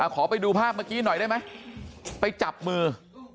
ขอไปดูภาพเมื่อกี้หน่อยได้ไหมไปจับมือ